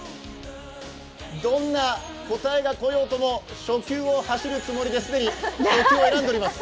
どんな答えがこようとも初級を走るつもりで、既に初級を選んでおります。